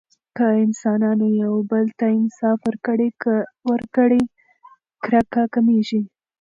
که انسانانو یو بل ته انصاف ورکړي، کرکه کمېږي.